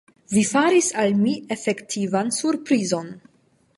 Vi faris al mi efektivan surprizon!